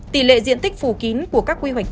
tỷ lệ diện tích phù kín của các quy hoạch